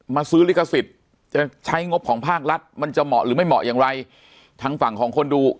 ซื้อลิขสิทธิ์จะใช้งบของภาครัฐมันจะเหมาะหรือไม่เหมาะอย่างไรทางฝั่งของคนดู